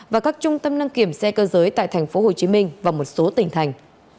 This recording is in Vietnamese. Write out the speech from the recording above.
và các trung tâm đăng kiểm xe cơ giới tại thành phố hồ chí minh và một số tỉnh thành